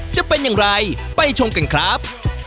จะเป็นอย่างไรไปชมกันครับ